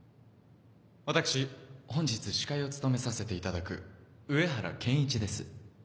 私本日司会を務めさせていただく上原憲一です。